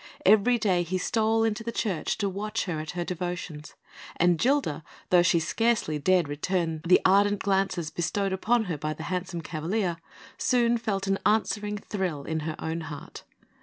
Every day he stole into the church to watch her at her devotions; and Gilda, though she scarcely dared return the ardent glances bestowed upon her by the handsome cavalier, soon felt an answering thrill in her own heart.